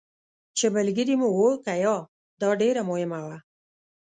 چې ملګري مو وو که یا، دا ډېره مهمه وه.